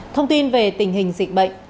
thông tin về tình hình dịch bệnh